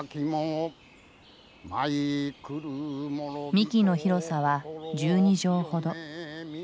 幹の広さは１２畳ほど。